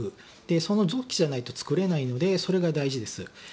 その時期じゃないと作れないのでそこが大事です。